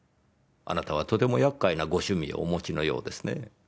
あなたはとてもやっかいなご趣味をお持ちのようですね。